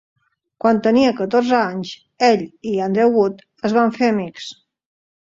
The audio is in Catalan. Quan tenia catorze anys, ell i Andrew Wood es van fer amics.